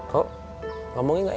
kok ngomongnya gak enak ya